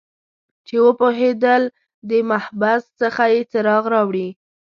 چې وپوهیدل د محبس څخه یې څراغ راوړي